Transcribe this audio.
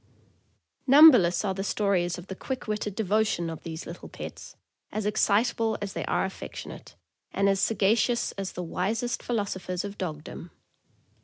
Numberless are the stories of the quick witted devotion of these little pets, as excitable as they are affectionate, and as sagacious as the wisest philosophers of dogdom.